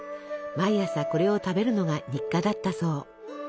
毎朝これを食べるのが日課だったそう。